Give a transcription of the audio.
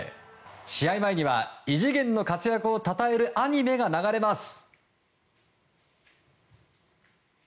試合前には、異次元の活躍をたたえるアニメが流れます。